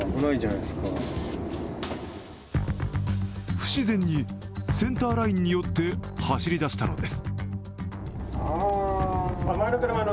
不自然にセンターラインに寄って走りだしたのです。